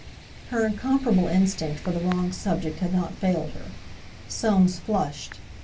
Her incomparable instinct for the wrong subject had not failed her. Soames flushed.